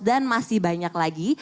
dan masih banyak lagi